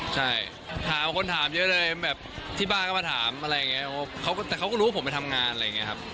ใช่ถามคนถามเยอะเลยแบบที่บ้านก็มาถามอะไรอย่างนี้แต่เขาก็รู้ว่าผมไปทำงานอะไรอย่างนี้ครับ